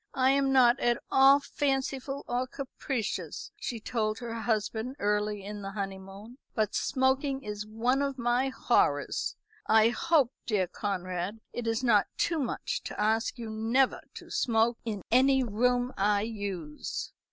"I am not at all fanciful or capricious," she told her husband early in the honeymoon, "but smoking is one of my horrors. I hope, dear Conrad, it is not too much to ask you never to smoke in any room I use."